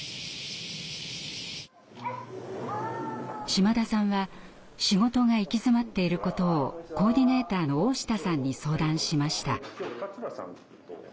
島田さんは仕事が行き詰まっていることをコーディネーターの大下さんに相談しました。